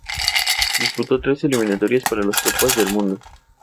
Disputó tres eliminatorias para las copas del mundo.